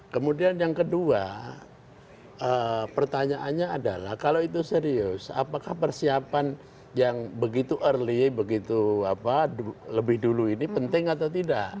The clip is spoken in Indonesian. kemudian yang kedua pertanyaannya adalah kalau itu serius apakah persiapan yang begitu early begitu lebih dulu ini penting atau tidak